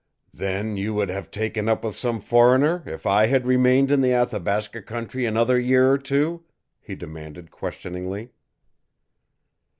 "Then you would have taken up with some foreigner if I had remained in the Athabasca country another year or two?" he demanded questioningly.